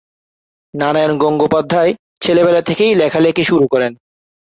নারায়ণ গঙ্গোপাধ্যায় ছেলেবেলা থেকেই লেখালেখি শুরু করেন।